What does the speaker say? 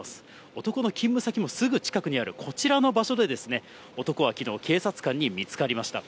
男の勤務先もすぐ近くにあるこちらの場所で、男はきのう、警察官に見つかりました。